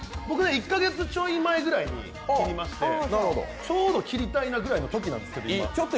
１か月ちょい前ぐらいに切りましてちょうど切りたいなぐらいのときなんですけど。